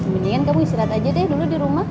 mendingan kamu istirahat aja deh dulu di rumah